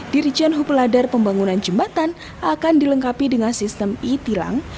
dirijen hub ladar pembangunan jembatan akan dilengkapi dengan sistem e tilang